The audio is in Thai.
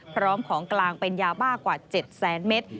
พร้อมของกลางเป็นยาบ้ากว่า๗แสนเมตร